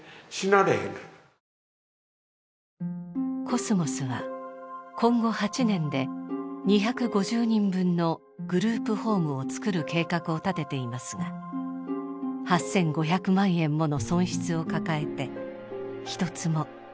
コスモスは今後８年で２５０人分のグループホームを作る計画を立てていますが８５００万円もの損失を抱えて一つも着手できません。